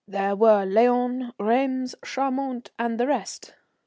There were Laon, Rheims, Chaumont, and the rest.